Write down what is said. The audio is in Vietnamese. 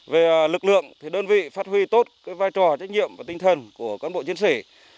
về lực lượng thì đơn vị phát huy tốt vai trò trách nhiệm và tinh thần của cán bộ chiến sĩ